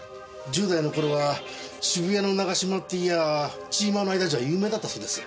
１０代の頃は「渋谷の永嶋」って言やぁチーマーの間じゃ有名だったそうです。